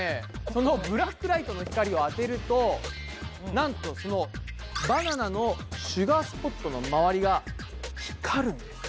そのブラックライトの光を当てるとなんとそのバナナのシュガースポットのまわりが光るんです！